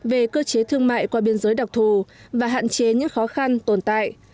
về cơ chế thương mại qua biên giới đặc thù và hạn chế những khó khăn tồn tại